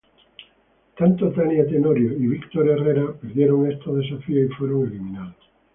Tanto Tania Tenorio y Víctor Herrera perdieron estos desafíos y fueron eliminados.